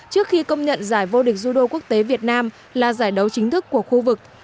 trước khi công nhận giải vô địch judo quốc tế việt nam là giải đấu chính thức của khu vực